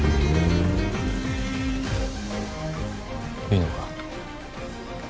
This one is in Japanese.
いいのか？